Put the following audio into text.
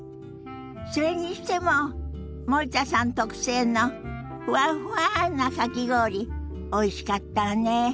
それにしても森田さん特製のふわっふわなかき氷おいしかったわね。